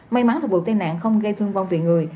may mắn là vụ tai nạn không gây thương vong về người